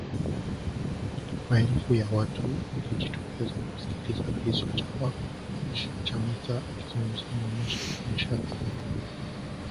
Maelfu ya watu waliojitokeza kumsikiliza rais wa chama Chamisa akizungumza inaonyesha hakuna shaka yoyote kwamba wananchi wamejiandaa kupiga kura.